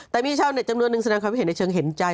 แต่มีชาวเน็ตจำนวนหนึ่งแสดงความคิดเห็นในเชิงเห็นใจ